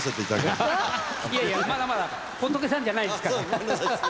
いやいやまだまだ仏さんじゃないですから。